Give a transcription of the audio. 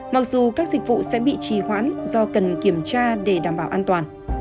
mặc dù các dịch vụ sẽ bị trì hoãn do cần kiểm tra để đảm bảo an toàn